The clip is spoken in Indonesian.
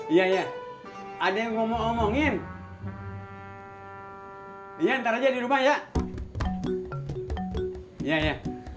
iya ada yang ngomong ngomongin ya entar aja dirumah ya iya